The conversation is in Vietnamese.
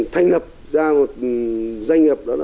thanh hập ra một doanh nghiệp